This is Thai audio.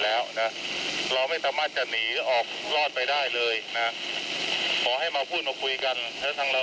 แล้วนะมีกำลังจากเอ่อกรุงเทพจากสวนการณ์มาทั้งหมดแล้ว